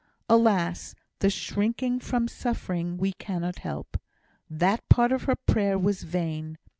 Alas! the shrinking from suffering we cannot help. That part of her prayer was vain.